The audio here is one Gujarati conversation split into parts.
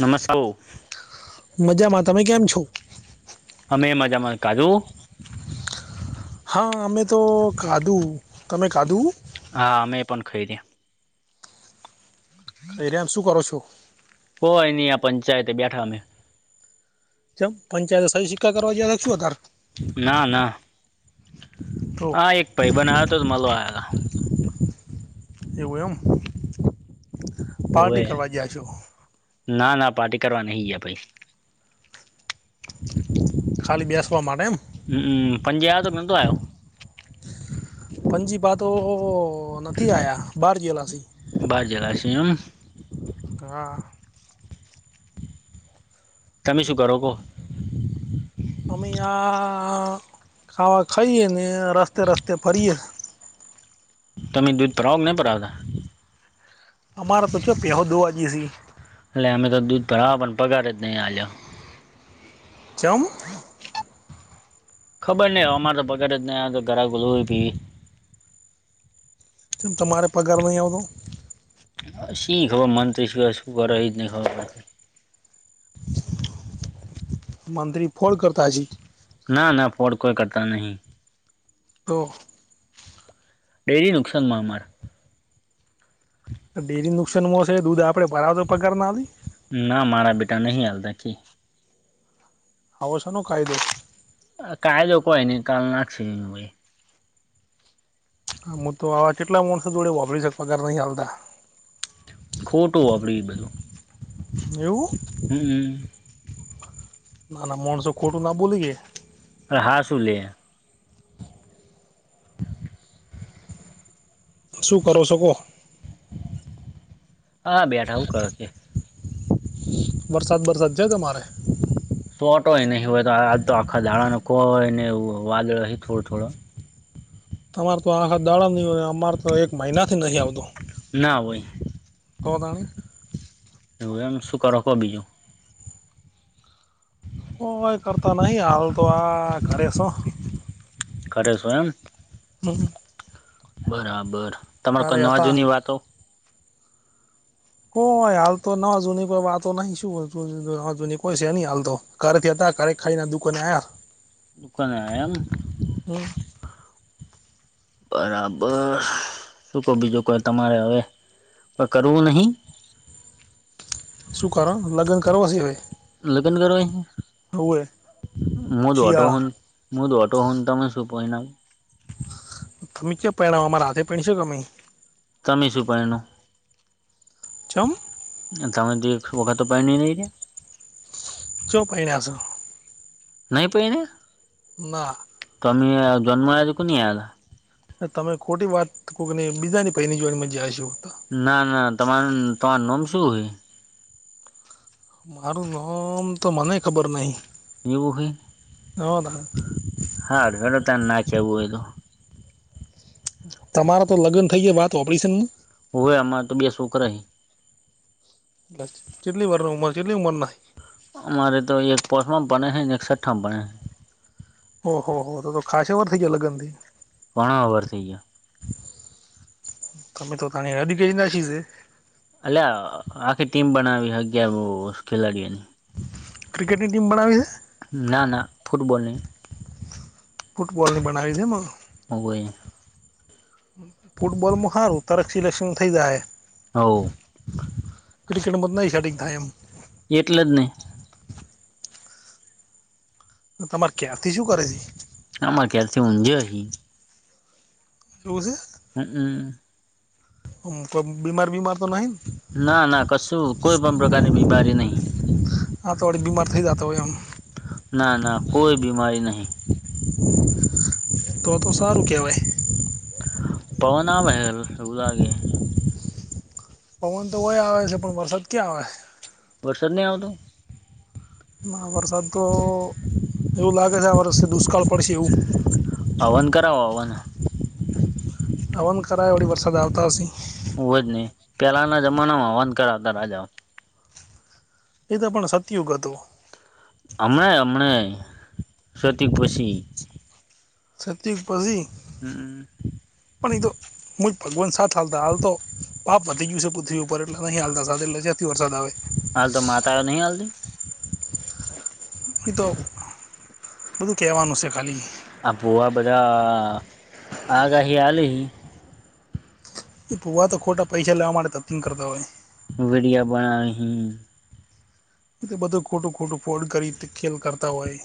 નમ સાઓ. મજામાં તમે કેમ છો. અમે મજામાં કાજુ હા અમે તો કાધું તમે કાદું હા અમે એ પણ ખરી દે ખઈહ્યા શું કરો છો. કોય નહી આ પંચાયતે બેઠા અમે. કેમ પંચાયત સઇ સિક્કા કરવા ગયા શું અતાર. તો હા એક ભાઈ બઘ આયો તો મલવા આયા તા. એવું એમ. હોવે પાર્ટી કરવા ગયા છો ના ના પાર્ટી કરવા નહિ ગયા ભાઈ. ખાલી બેસવા માટે એમ. હ પંચ હજાર તો [inaudible] આવ્યો પજી પા તો નથી આયા બહાર જેલાસી. બહાર જેલા છે એમ હા. તમે શું કરો કો. અમે આ ખાવા ખાઈ એે ને રસ્તે રસ્તે ફરીએે. તમે દૂધ ભરાવ કે નહીં ભરાવતા. અમારે તો ચો પેહો દોવા જેસી. એલે અમે તો દૂધ ભરાવ પણ પગાર જ નહી આલયો ચમ. ખબર નઈ અમારે તો પગાર જ નહીં આલયો તો ગાહકો બધો હોય ભી. શું તમારે પગાર નહીં આવતો. હ શી ખબર મનથે શું શું કરહી ઇ ખબર નહીં પડતી. મંત્રી ફોડ કરતા જી. ના ના ફોડ કોઈ કરતા નહીં. તો. ડેરી નુકસાન મા અમારે. ડેરી નુકસાનમાં શે એ દૂધ આપણે ભરાવે તો પગાર ના હાલી. ના મારા બેટા નહી હાલતા કે. આવો સેનો કાયદો. કાયદો તો કોઈ ની કાલ નાખશે ઈ ભાઈ. હા હું તો આવા કેટલા માણસો જોડે ઓગીડીશે પગાર નહી આવતા. ખોટું આપડી ઈ બધું. એવું. હમ. આના મણસો ખોટુ ના બોલીયે. હાસું લયા [inaudible] શું કરો છો કો હા બેઠા હું કરો કે વરસાદ વરસાદ છે તમારે તોટો હોય નહ હોય તો આાલ તો આખા દાડાનો કો હોય ને વાદળો હ થોડો થોડો તમારે તો આખા દાડણ ન હોય અમારે તો એક મહિનાથી નહી આવતુ ના હોય કો તણી એવું એમ શું કરો ક બીજું. ઓઈ કરતા નહી હાલ તો આ કરે શો કરે શો એમ હમ બરાબર તમારે ઘરે કઈ હતા નવાજુની વાતો કોય હાલ તો ન જૂની કોઈ વાતો નહી શું ના જૂની કોઈ છે ન હાલ તો ઘરેથી હતા ઘરે ખાઈને દુકોને આયા દુકાને આયા એમ [inaudible] બરાબર શું કહો બીજું કોઈ તમારે હવે કરવું નહીં શું કરો લગ્ન કરવા સિવાય લગન કરય મોધ વાટો હ શિયાળા મુું તોટો શુન તમ સુપ ના તમે ક્યા પરિણામ અમારા હાથે પશો કેમે તમી શુંપાઈનું ચમ તમે દી વ કા તો પ પાં ન ન એતે ચો પને છો નહી પ ને ના તમે જન્મ આવજ કો આલા તમે ખોટી વાત કક ને બીજાની પૈની જો મજશ ના ના તમાર તમારું નાોમ શું હોય મારું નામ તો મને ખબર નહી એવું હો હા ત્યાં ના ચવું હોય તો તમારા તો લગ્ન થઈ જાય વાત ઓપરેશન માં હય અમારે તો બે શોકહી કેટલી વાર ઉંમર કેટલી ઉંમર ના અમારે તો એક પાસમા બને હ અને એક છઠ્ઠા બનેૈ ઓહ હો તો તો ખાશ વર થ ગ લગનથી કોણા ઓવર થઇ ગયોયા તમે તો તને અદી ક ના છી એટ આખી ટીમ બનાવી અગયાર ખેલાડીઓની ક્રિકેટની ટીમ બનાવી છે ના ના ફુટબોલનીહી ફૂટબોલની બનાવી દે માું અગવેને ફૂટબોલમાં સારું તરક સિલેક્શન થઇ જાય હ ક્રિકેટ મધ નથી શડીંગ થાય એમ એટલે જ નહી તમારે ક્યારથી શું કરે છે આમાં ક્યારથી ઊંજે હહી જોુંઝ હમમ કોઈ બીમાર બીમાર તો નથી ના ના કશું કોઈ પણ પ્રકારની બીમારી નહી હ તો બીમાાર થઈ દ હતા ત એમ ના ના કોઈ બીમારી નહીં તો તો સારું કેવાય પવનામહે લ લાગે પવન તો હોય આવે છે પણ વરસાદ ક્યાં આવે વરસાદ નહી આવતોું મહભરસાદ તો એવું લાગે છે આ વર્ષથી દુષ્કાળ પડશે એવું પવન ટવન કરાય વળ વરસાદ આવતા હશે હું જ નહ પેલાના જમાનામાં વાંધ કરાવતા રાજા એ તો પણ સત્યુગ હતું હમણાં હમણાં સતયુગ પછી છત પઝી હમ પણ તો હુંજ ભગવાન સાથ હાલતા હાલતો પાપ વધી ગયું છે પૃથ્વી ઉપર એટલે નહીં હાલતા સા એટલે જ્યાંથી વરસાદ આવે હાલ તો માતા નહી હાલતી એહી તો બધું કહેવાનું છે ખાલી આ ભૂવા બધા આગાહી આલી એ ભૂવા તો ખોટા પૈસા લેવા માટે તથંગ કરતા હોય વીડિયા બનાવે હિ એ બધું ખોટું ખોટું ફોડ કરી ખેલ કરતા હોય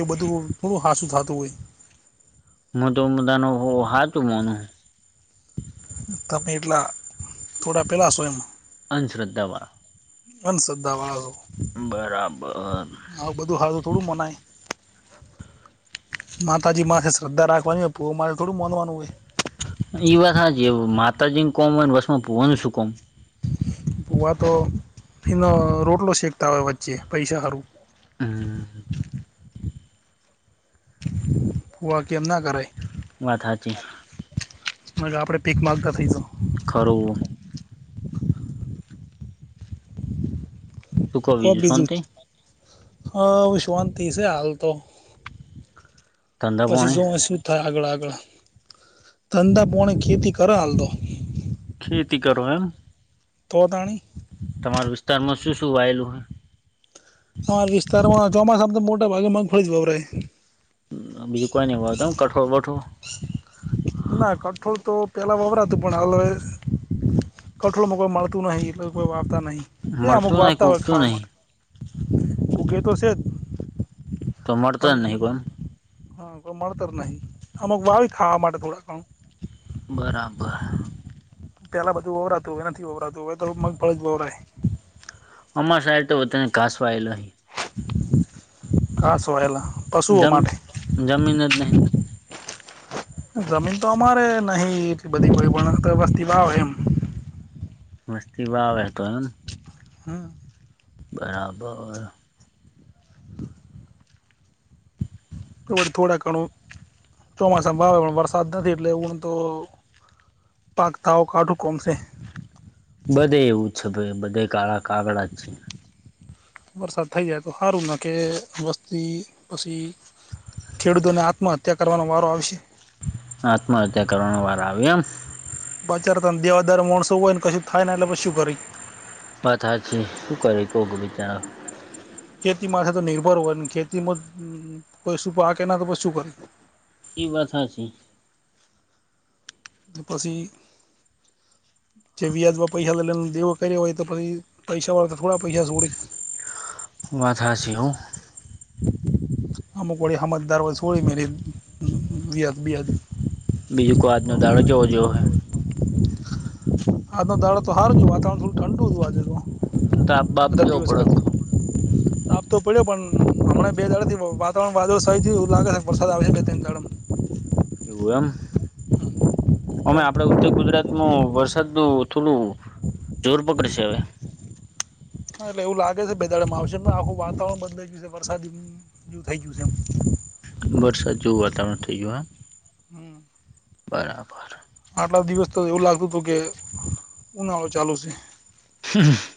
એ બધું થોડું હાંસું થતું હોય મો તોો મુદા ન હા હતું મોનું તમે એટલા થોડા પહેલાં છો એમ અંધશ્રદ્ધામાં અંધશ્રદ્ધાવા બરાબર હા બધું હારુ થોડું મનાય માતાજી માથે શ્રદ્ધા રાખવાની ભૂવા મા થોડું માણવાનું હોય એઈ વાત હાચી માતાજીને કોમ હોય વશ માં ભુવાનું શું કોમ ભુવા તો એનો રોટલો શેકતા હોય વચ્ચે પૈસા હારુ હમ ભૂવા કે એમ ના કરાય વાત હાચી મ કે આપણે ભીખ માગતા થઇશું ખરું કો બીજું જ અ શાંતિ છે હાલ તો ધંધા પછી પાણી જોવે શું થાય આગળ આગળ ધંધા પોણ ખેતી કર હાલ તો ખેતી કરો એમ તો તાણી તમાર વિસ્તાર માં શું શું વાયલૂ હે અમારા વિસ્તારમાં ચોમાસામ તો મોટા ભાગેમાં મગફળી જ વપરાય બીજું કઈ નઈ વાવતા એમ કઠોળ બથોડ ના કઠોળ તો પેલા વવરાતું પણ હવે કઠોળમાં કોઈ મળતું નહિ એટલે કોઈ વાવતા નહી છે અમુક મળતું નહિ કે વાવતા હોય ઉગતું ખાવા નહિ માટે ઉગ તો શે જ તો મળતો જ નહીં પણ હા કો મળતર નહી આમક વાવી ખાવા માટે થોડા કણ બરાબર પેલા બધું વવરાતું હવે નથી વવરાતું હવે તો રો મગફળી જ વવરાય અમાર સાઈડ તો બધાને ઘાસવાયેલ ઘાસ વાયેલ પશુઓ જમ માટે જમીન જ નહી જમીન તો અમારે નહી એટલી બધી તો કોઈ પણ વસ્તી વાવે એમ વસતી વાવે તો એમ હમ બરાબર તો થોડા ઘણું ચોમાસા ભાવે પણ વરસાદ નથી એટલે એવુંને તો પાક થાવુ કાઠું કોમ સે બધે એવું જ છે ભઈ બધે કાળા કાગડા જ છે વરસાદ થઈ જાય તો હારુ ના કે વસ્તી પછી ખેડૂતોને આત્મહત્યા કરવાનો વારો આવશે. આત્મહત્યા કરવાના વારા આવે એમ. બચાર તો મ દેવાદાર માણસો હોયને કશુ થાય ને એટલે પછ શું કરી. વાત હાચી શું કરે કોક બીચારા. ખેતી માથે તો નિર્ભર હોય ને ખેતીમાં કશું પાકે ના તો પછી શું કરે. ઈ વાત હાચી. પસી. જે વ્યાજમાં પૈસા લેને દેવો કર્યો હોય તો પહિ પૈસા વાળા તો થોડા પૈસા છોડે. વાત હાચી હો. અમુક વળી હમજદાર હોય સોડી મેલી વ્યાજ બ્યાજ. બીજું કો આજનો દાડો કેવો જયો હે. આજનો દાડો તો હારો ગયો વાતાવરણ થોડું ઠંડુ હતું આજે તો તાપ બાપ બધા કેવો દિવસ કડક કરતા. તાપ તો પડ્યો પણ. હમણા બે દહાડા થી વાતાવરણ વાદળ છાયું થયું લાગે હે કે વરસાદ આવે હે બે ત્રણ દાડામાં. એવું એમ ઓમ આપડે ઉત્તર ગુજરાતમાં વરસાદ નું થોડું. જોર પકડશે હવે. હા એટલે એવું લાગે છે બે દાડામાં આવશે આખું વાતાવરણ બદલાઈ ગયું છે વરસાદી બું થઈ ગયું છે એમ. વરસાદ જોવું વાતાવરણ થઇ ગયું હમ હા બરાબર. આટલા દિવસ તો એવું લાગતું હતું કે ઉનાળો ચાલુ છે. હા હ.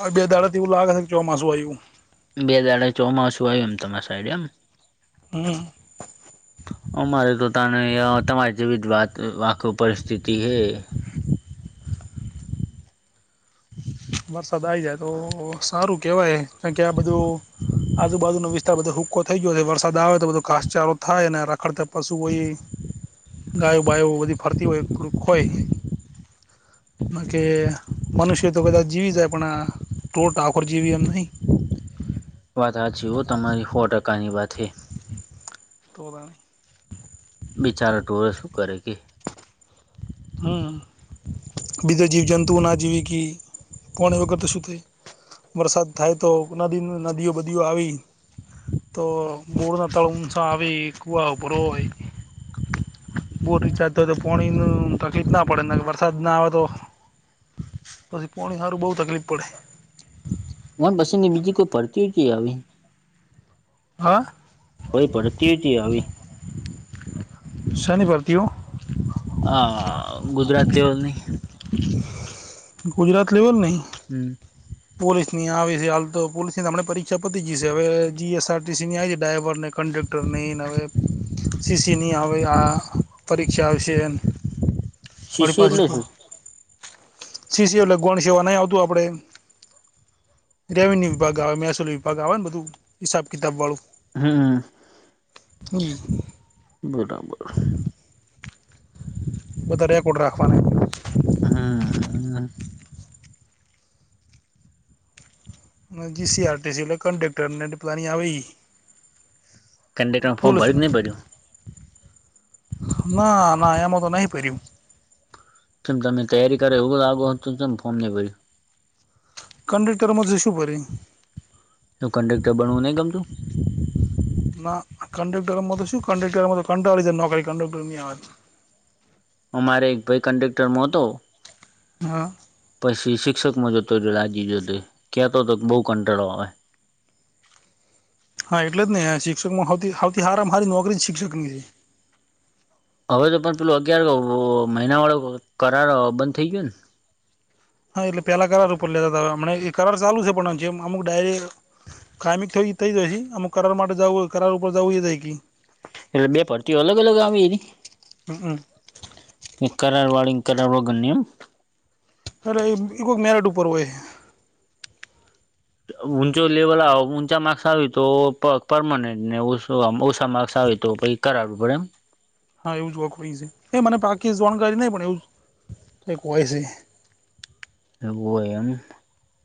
આ બે દાડા થી એવું લાગે હે કે ચોમાસું આયવું. બે દાડાથી ચોમાસું આવ્યું એમ તમાર સાઈડ એમ. હમ. અમારે તો તને તમારી જેવી જ વાત આખ પરિસ્થિતિ હે. વરસાદ આઈ જાય તો સારું કેવાય કારણ કે આ બધું. આજુબાજુનો વિસ્તાર બધો હુક્કો થઈ ગયો છે વરસાદ આવે તો બધો ઘાસચારો થાય ને રખડતા. પશુ હોય ઈ ગાયો બાયો બધી ફરતી હોય. ડું હોય કે મનુષ્ય. તો કદાચ જીવી જાય પણ આ ઢોર ઢાખોર જીવી એમ નહીં. વાત‌ હાચી હો તમારી હો ટકાની વાત હે. તો તાણે. બિચારા ઢોર એ શું કરે કે. હમ બીજા જીવજંતુઓ ના જીવી કે પોણી વગર તો શું થાય. વરસાદ થાય તો નદી નદીઓ બદીઓ આવી. તો બોર ના તળ ઊંસા આવી કુવા ઉભરોય. બોર રિચાર્જ થાય તો પોણી નું તકીલીફ ના. પડે નકર વરસાદ ના આવે તો પછી પોણી હારું બહુ તકલીફ પડે. મન પછ ને બીજી કોઈ પડતી હોય આવી. હા. ભઈ પડતી હોતી આવી. સાની ભરતીઓ. હા ગુજરાતીઓ ની. ગુજરાત લેવલ ની. હમ. પોલીસ ની આવી છે હાલ તો પોલીસ ની આપને પરીક્ષા પતી જઈશે હવે જીએસઆરટીસી ની આવી છે ડ્રાઈવર ને. કંડેક્ટર ની હવે સીસીઈ ની આવે આ. પરીક્ષા આવશે વળી શીશી એટલે પાછી પો. શું સીસી ‌એટલે ગોણ સેવા નહી આવતું આપડે. રેવન્યુ વિભાગ આવે મહેસૂલી વિભાગ આવે ને બધું હિસાબ કિતાબવાળું. હમ. [unintelligible] બરાબર બધારે એકકોડ રાખવાની હામ જીસીઆરટીસી એટલે કંડેક્ટર ને ડિપલાની આવી એ કંડક્ટર બોલ ફોર્મ ભર્યું કે નહી ભર્યું ના ના એમાં તો નહી પહેર્યું જેમ તમે તૈયારી કરો એવું લાગો હતું તોમ ફોર્મ ને ભર્યું કન્ડક્ટરમાં જસુ ભરી તો કન્ડકર બનવું નહીં ગમતું ના કન્ડક્ટરમાં તો શું કન્ટક્ટરમાં તો કનટાળી જાય નોકરી કન્ડક્ટરની આવે તો અમારે એક ભાઈ કંડેક્ટરમા હતો હા પછી શિક્ષકમાં જોતો જો લાગી જોતી ક્યાતો તો બહુ કંટાળો આવે હા એટલે જ નહી શિક્ષકમાં હૌથી હારામાં હામારી નોકરી શિક્ષક ની છે હવે તો પણ પેલું અગિયાર મહિનાવાળો કરાર બંધ થઈ ગયો ને હા, એટલે પેલા કરાર ઉપર લેતા હતા હ હમ એ કરાર ચાલુ છે પણ જેમ અમુક ડાયરી કાયમી થય એ થઈ જાયશે અમુ કરાર માટે જવું કરાર ઉપર જવું એ જાય કે એટલે બે ભરતી અલગ અલગ આવી હતી? હમ એ કરાર વાળંગ કરાર વાગને એમ અરે એ એકક મેરેટ ઉપર હોય છે. ઊંચો લેવલ ઊંચા માર્ક્સ આવે તો પ પરમનન્ટ ને ઓછો ઓછા માર્ક્સ આવે તો પ કરાવુ પડે એમ. હા, એવું જ [unintelligible] એ મને પાકી જાણકારી નઈ પણ એવું. એ કોઈ છે. એવુ હોય એમ.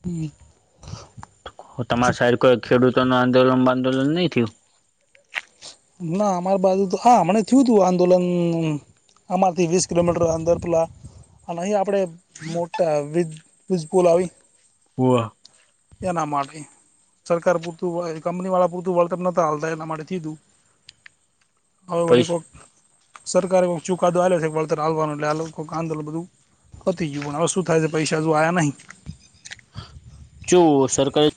હમ. તમાર સાઈડ કોઈ ખેડૂતો નો આંદોલન વાંદોલન નઈ થિયું ના અમારી બાજુ તો હા મને થયું તું આંદોલન અમારથી વીસ કિલોમીટર અંદર પલા અહીં આપડે મોટા વિ જપુલ આવી વાહ. એના [unintelligible] સરકાર પૂરતું કંપની વાળા પૂરતું વર્લ્ડ કપ નતા હાલતા એના માટે કીધું હવે વળી પૈસ કોક સરકારે કોઈક ચુકાદો આયો છે વળતરાલવાનો લ કોઈક આંદોલ બધું પતિ ગયું હવે શું થાય છે પૈસા હજુ આયા નહીં. જો સરકા